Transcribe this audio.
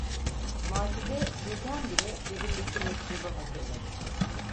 Macide birdenbire cebindeki mektubu hatırladı.